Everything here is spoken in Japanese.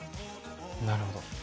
なるほど。